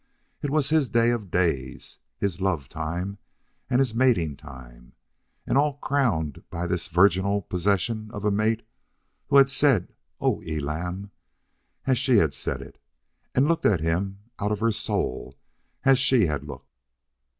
It was his day of days, his love time and his mating time, and all crowned by this virginal possession of a mate who had said "Oh, Elam," as she had said it, and looked at him out of her soul as she had looked.